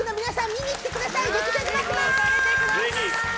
見に来てください。